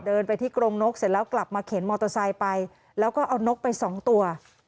เดินไปที่กรงนกเสร็จแล้วกลับมาเข็นมอเตอร์ไซค์ไปแล้วก็เอานกไปสองตัว